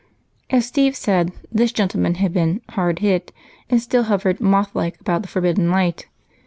As Steve said, this gentleman had been "hard hit" and still hovered mothlike about the forbidden light.